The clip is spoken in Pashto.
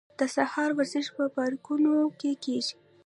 د سهار ورزش په پارکونو کې کیږي.